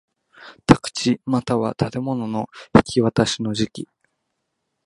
宅地又は建物の引渡しの時期